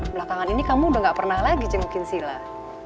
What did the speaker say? belakangan ini kamu udah gak pernah lagi jengukin silah